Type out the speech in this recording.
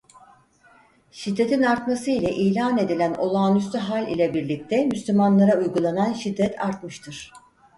Şiddetin artması ile ilan edilen olağanüstü hâl ile birlikte müslümanlara uygulanan şiddet artmıştır.